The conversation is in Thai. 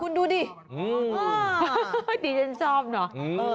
คุณดูดิอ่าดิฉันชอบเหรอ